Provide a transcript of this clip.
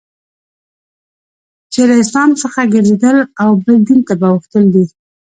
چي له اسلام څخه ګرځېدل او بل دین ته اوښتل دي.